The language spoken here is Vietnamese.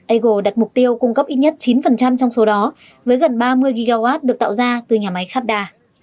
ago đặt mục tiêu cung cấp ít nhất chín trong số đó với gần ba mươi gigawatt được tạo ra từ nhà máy khabda